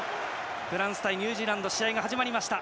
フランス対ニュージーランド試合が始まりました。